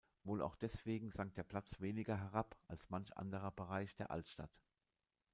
Wohl auch deswegen sank der Platz weniger herab als manch anderer Bereich der Altstadt.